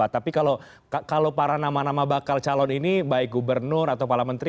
tapi kalau para nama nama bakal calon ini baik gubernur atau para menteri